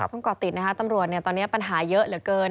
ต้องกอดติดนะคะตำรวจเนี่ยตอนนี้ปัญหาเยอะเหลือเกิน